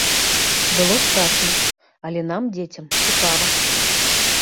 Было страшна, але нам, дзецям, цікава.